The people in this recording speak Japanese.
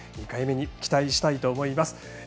２回目に期待したいと思います。